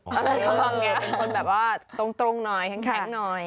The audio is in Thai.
เป็นคนตรงหน่อยแข็งหน่อย